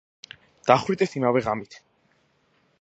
დახვრიტეს იმავე ღამით.